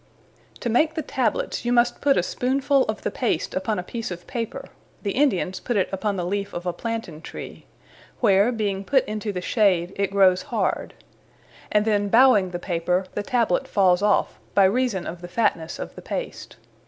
To make the Tablets you must put a spoonfull of the Paste upon a piece of paper, the Indians put it upon the leaf of a Planten tree; where, being put into the shade, it growes hard; and then bowing the paper, the Tablet falls off, by reason of the fatnesse of the paste.